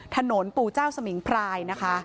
ปู่เจ้าสมิงพรายนะคะ